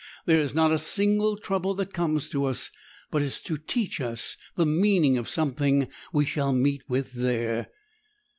There is not a single trouble that comes to us but it is to teach us the meaning of something we shall meet with there.